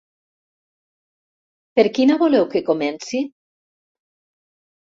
Per quina voleu que comenci?